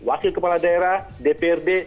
asli kepala daerah dprd